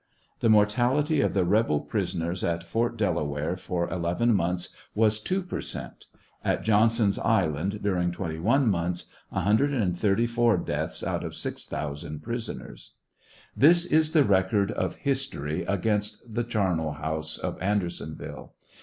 The mortality of the rebel prisoners at Fort Delaware for eleven months was two per cent.; at Johnson's island during twenty one months 134 deaths out of 6,000 prisoners." This is the record of history, against the charnel house of Andersonville.